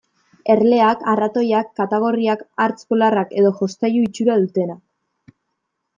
Erleak, arratoiak, katagorriak, hartz polarrak edo jostailu itxura dutenak.